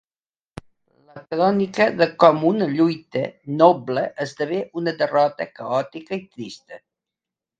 La crònica de com una lluita noble esdevé una derrota caòtica i trista.